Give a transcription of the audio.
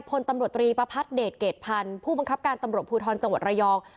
พลตำรวจตรีประพัทธเดชเกรดพันธ์ผู้บังคับการตำรวจภูทรจังหวัดระยอง